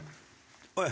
おい！